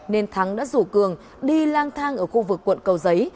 nên thắng đã rủ cường đi lang thang ở khu vực quận cầu giấy